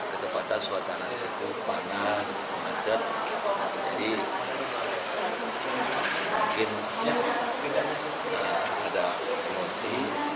ketepatan suasana disitu panas macet jadi mungkin ada emosi